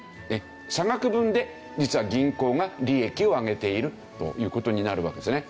差額分で実は銀行が利益を上げているという事になるわけですね。